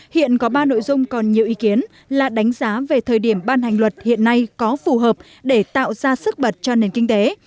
hiện có ba nội dung còn nhiều ý kiến là đánh giá về thời điểm ban hành luật hiện nay có phù hợp để tạo ra sức bật cho nền kinh tế